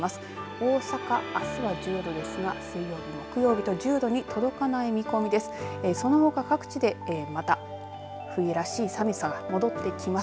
大阪あすは１０度ですが水曜日、木曜日と１０度に届かない見込みです。